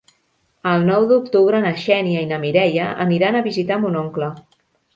El nou d'octubre na Xènia i na Mireia aniran a visitar mon oncle.